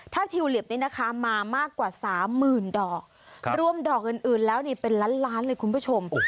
ถ้าทิวลิปนี่นะคะมามากกว่าสามหมื่นดอกรวมดอกอื่นแล้วนี่เป็นล้านเลยคุณผู้ชม